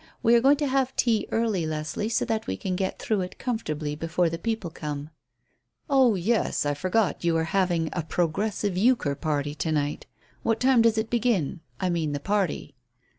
We are going to have tea early, Leslie, so that we can get through with it comfortably before the people come." "Oh yes, I forgot you are having a 'Progressive Euchre' party to night. What time does it begin? I mean the party."